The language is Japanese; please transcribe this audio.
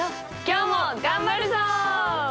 今日も頑張るぞ！